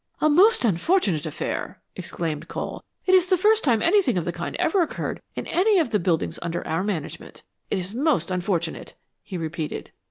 "A most unfortunate affair!" exclaimed Cole. "It is the first time anything of the kind ever occurred in any of the buildings under our management. It is most unfortunate," he repeated.